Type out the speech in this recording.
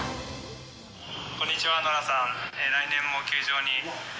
こんにちは、竹下さん。